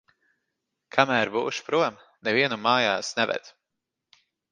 Kamēr būšu prom, nevienu mājās neved.